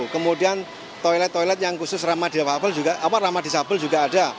kemudian toilet toilet yang khusus ramadha wafel ramadha disabil juga ada